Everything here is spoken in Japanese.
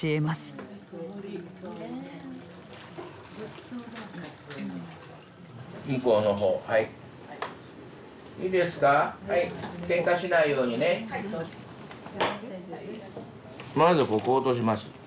まずここを落とします。